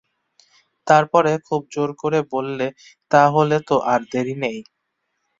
তার পরে খুব জোর করে বললে, তা হলে তো আর দেরি নেই।